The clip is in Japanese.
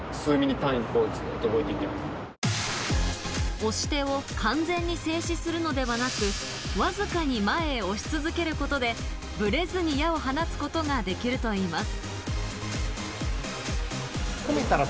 押し手を完全に静止するのではなく、わずかに前へ押し続けることで、ブレずに矢を放つことができるといいます。